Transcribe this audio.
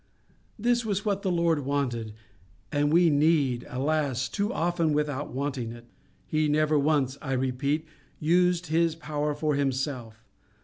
This was what the Lord wanted—and we need, alas! too often without wanting it. He never once, I repeat, used His power for Himself.